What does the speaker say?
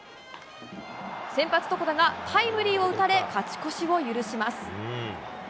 先発、床田がタイムリーを打たれ、勝ち越しを許します。